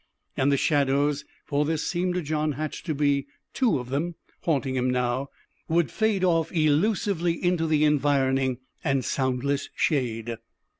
And the shadows for there seemed to John Hatch to be two of them haunting him now would fade off elusively into the environing and soundless shade.